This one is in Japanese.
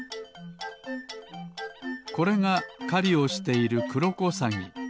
これがかりをしているクロコサギ。